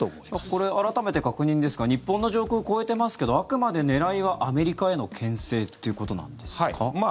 これ、改めて確認ですが日本の上空を越えてますけどあくまで狙いはアメリカへのけん制っていうことなんですか？